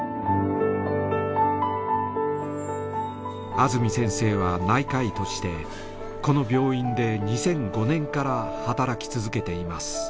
安積先生は内科医としてこの病院で２００５年から働き続けています。